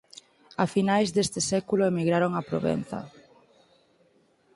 A finais deste século emigraron a Provenza.